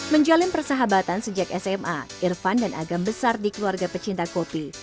menjalin persahabatan sejak sma irfan dan agam besar di keluarga pecinta kopi